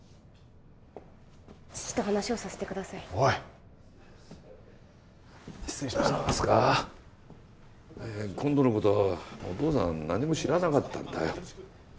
父と話をさせてくださいおい失礼しました今度のことはお父さん何も知らなかったんだよ